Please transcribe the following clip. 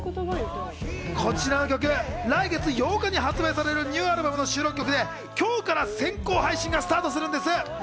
こちらの曲、来月８日に発売されるニューアルバムの収録曲で今日から先行配信がスタートするんです。